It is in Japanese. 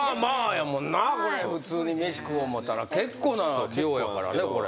普通に飯食おう思ったら結構な量やからねこれ。